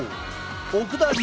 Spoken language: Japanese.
奥田流